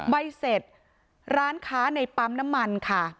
ใบเสร็จร้านค้าในปั๊มน้ำมันค่ะ